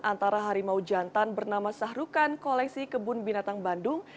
antara harimau jantan bernama sahrukan koleksi kebun binatang bandung